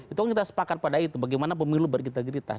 itu kan kita sepakat pada itu bagaimana pemilu berintegritas